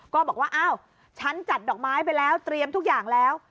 ก็บอกว่าอ้าวฉันจัดดอกไม้ไปแล้วเตรียมทุกอย่างแล้ว